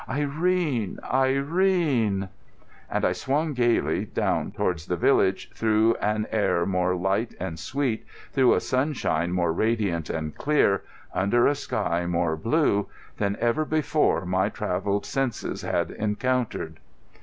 Irene! Irene!" And I swung gaily down towards the village through an air more light and sweet, through a sunshine more radiant and clear, under a sky more blue, than ever before my travelled senses had encountered.